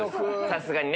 さすがに。